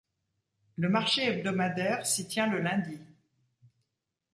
Le marché hebdomadaire s'y tient le lundi.